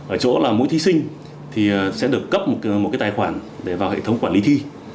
ở chỗ là mỗi thí sinh thì sẽ được cấp một cái tài khoản để vào hệ thống quản lý thi